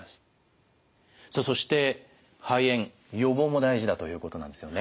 さあそして肺炎予防も大事だということなんですよね。